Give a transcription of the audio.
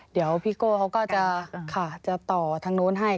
เดี๋ยวพี่โก้เขาก็จะต่อทางนู้นให้